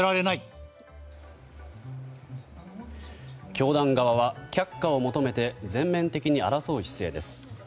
教団側は却下を求めて全面的に争う姿勢です。